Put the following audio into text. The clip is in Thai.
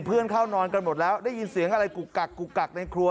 เพื่อนเข้านอนกันหมดแล้วได้ยินเสียงอะไรกุกกักกุกกักในครัว